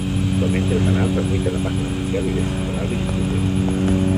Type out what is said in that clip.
Actualmente el canal transmite la página oficial y desde su canal de Youtube.